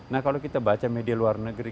nah kalau kita baca media luar negeri